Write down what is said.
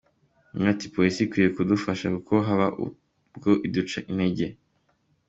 Umwe ati “Polisi ikwiye kudufasha kuko haba ubwo iduca intege.